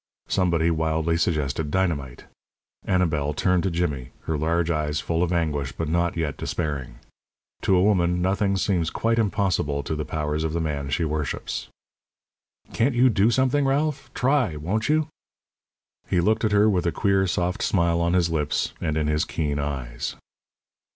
Somebody wildly suggested dynamite. Annabel turned to Jimmy, her large eyes full of anguish, but not yet despairing. To a woman nothing seems quite impossible to the powers of the man she worships. "Can't you do something, Ralph try, won't you?" He looked at her with a queer, soft smile on his lips and in his keen eyes.